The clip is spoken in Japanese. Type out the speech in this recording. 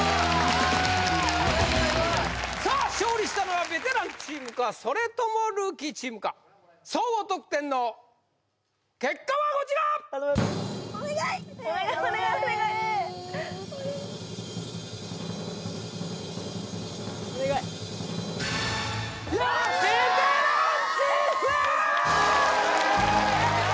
さあ勝利したのはベテランチームかそれともルーキーチームか総合得点の結果はこちら・頼む・お願い・お願いベテランチーム！